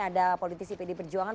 ada politisi pd perjuangan